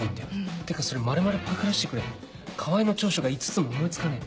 ってかそれ丸々パクらせてくれ川合の長所が５つも思い付かねえ。